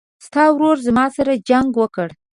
ستا ورور زما سره جنګ وکړ